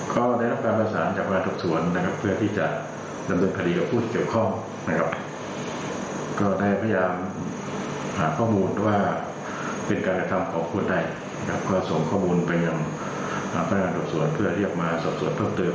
ก็ได้รับการประสานจากพนักงานสอบสวนเพื่อที่จะดำเนินคดีกับผู้ที่เกี่ยวข้อง